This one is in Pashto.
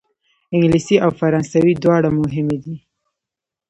انګلیسي او فرانسوي دواړه مهمې دي.